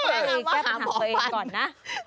อันนั้นคือแค่ปัญหาตัวเองก่อนนะ